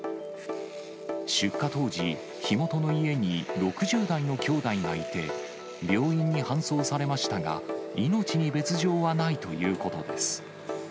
出火当時、火元の家に６０代の兄弟がいて、病院に搬送されましたが、命に別状はないということです。